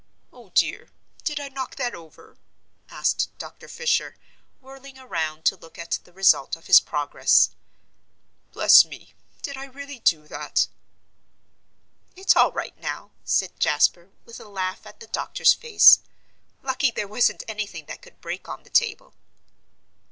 "O dear, did I knock that over?" asked Dr. Fisher, whirling around to look at the result of his progress. "Bless me, did I really do that?" "It's all right now," said Jasper, with a laugh at the doctor's face. "Lucky there wasn't anything that could break on the table."